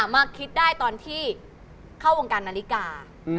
มาคิดได้ตอนที่เข้าวงการนาฬิกา